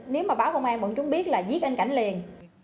nếu mà báo công an vẫn chúng biết là giết anh cảnh liền